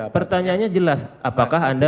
pertanyaannya jelas apakah anda